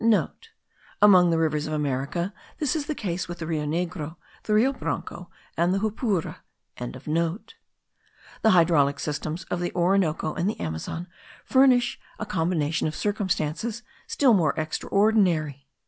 *(* Among the rivers of America this is the case with the Rio Negro, the Rio Branco, and the Jupura.) The hydraulic systems of the Orinoco and the Amazon furnish a combination of circumstances still more extraordinary.